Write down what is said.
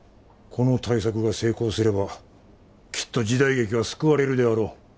この大作が成功すればきっと時代劇は救われるであろう。